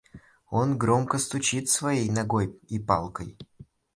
Он громко стучит своей ногой и палкой.